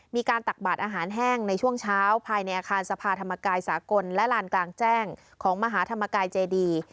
ตักบาดอาหารแห้งในช่วงเช้าภายในอาคารสภาธรรมกายสากลและลานกลางแจ้งของมหาธรรมกายเจดี